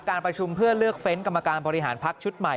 การประชุมเพื่อเลือกเฟ้นต์กรรมการบริหารพักชุดใหม่